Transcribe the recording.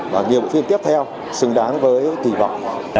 và nhiều bộ phim tiếp theo xứng đáng với tỷ vọng